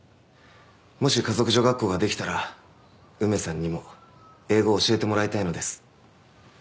もし華族女学校ができたら梅さんにも英語を教えてもらいたいのです。